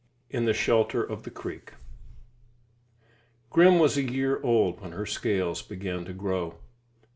II: IN THE SHELTER OF THE CREEK Grim was a year old when her scales began to grow.